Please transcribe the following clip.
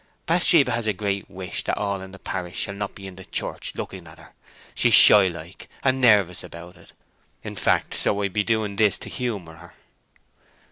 Bathsheba has a great wish that all the parish shall not be in church, looking at her—she's shy like and nervous about it, in fact—so I be doing this to humour her."